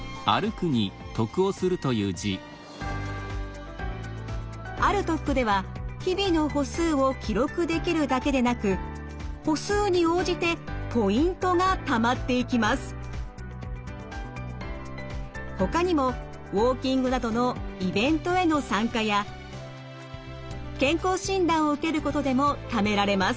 歩得では日々の歩数を記録できるだけでなくほかにもウォーキングなどのイベントへの参加や健康診断を受けることでもためられます。